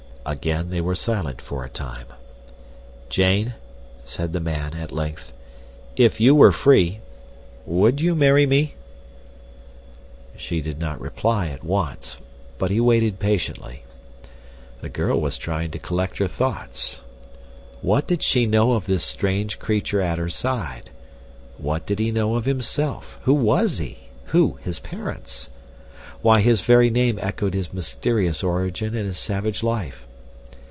Again they were silent for a time. "Jane," said the man, at length, "if you were free, would you marry me?" She did not reply at once, but he waited patiently. The girl was trying to collect her thoughts. What did she know of this strange creature at her side? What did he know of himself? Who was he? Who, his parents? Why, his very name echoed his mysterious origin and his savage life.